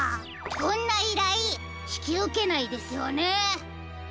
こんないらいひきうけないですよね？